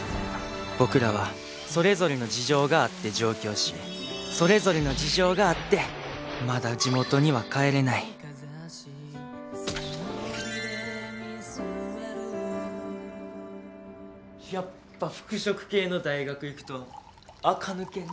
僕らはそれぞれの事情があって上京しそれぞれの事情があってまだジモトには帰れないやっぱ服飾系の大学行くとあか抜けんねんなぁ